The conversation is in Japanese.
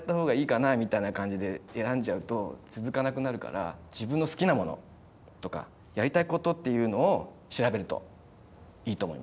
みたいな感じで選んじゃうと続かなくなるから自分の好きなものとかやりたいことっていうのを調べるといいと思います。